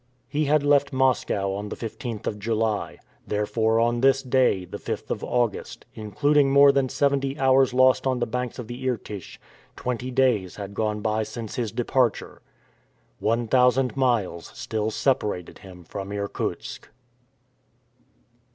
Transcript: He had left Moscow on the 15th of July. Therefore on this day, the 5th of August, including more than seventy hours lost on the banks of the Irtych, twenty days had gone by since his departure. One thousand miles still separated him from Irkutsk.